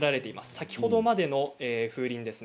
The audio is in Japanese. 先ほどまでの風鈴です。